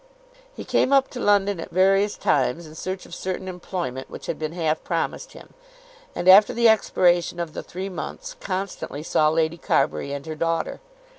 He came up to London at various times in search of certain employment which had been half promised him, and, after the expiration of the three months, constantly saw Lady Carbury and her daughter.